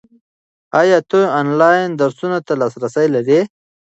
ایا ته آنلاین درسونو ته لاسرسی لرې؟